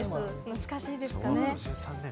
懐かしいですかね。